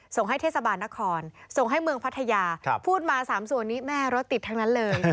ส่งให้เทศบาลนครส่งให้เมืองพัทยาพูดมา๓ส่วนนี้แม่รถติดทั้งนั้นเลย